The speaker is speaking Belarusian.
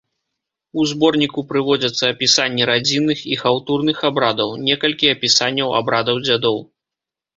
У зборніку прыводзяцца апісанні радзінных і хаўтурных абрадаў, некалькі апісанняў абрадаў дзядоў.